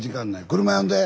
車呼んで。